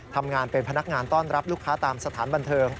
ทำงานเป็นพนักงานต้อนรับลูกค้าตามสถานบันเทิง